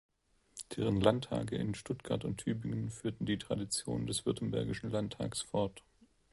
Deren Landtage in Stuttgart und Tübingen führten die Tradition des Württembergischen Landtags fort.